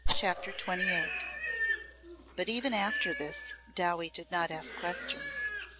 CHAPTER XXVIII But even after this Dowie did not ask questions.